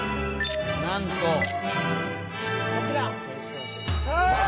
なんと、こちら。